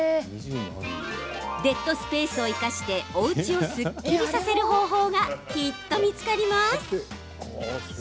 デッドスペースを生かしておうちをすっきりさせる方法がきっと見つかります。